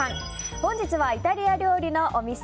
本日はイタリア料理のお店